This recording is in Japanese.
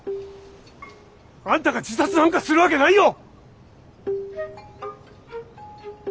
あんたが自殺なんかするわけないよ！